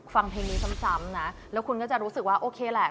ฟังเพลงนี้ซ้ำนะแล้วคุณก็จะรู้สึกว่าโอเคแหละ